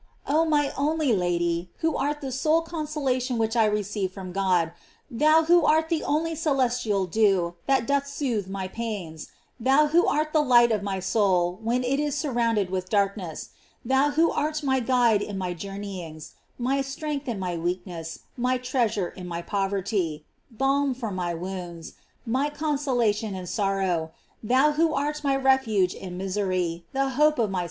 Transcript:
OH my only Lady, who art the sole consoV* tion which I receive from God; thou who art the only celestial dew that doth soothe my pains; thou who art the light of my soul when it is surrounded with darkness; thou who art my guide in my journeyings, my strength in my weakness, my treasure in my poverty ; balm for my wounds, my consolation in sorrow; thon who art my refuge in misery, the hope of my 326 GLORIES OF MARY.